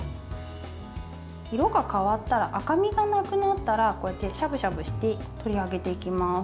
色が変わったら赤みがなくなったらこうやって、しゃぶしゃぶして取り上げていきます。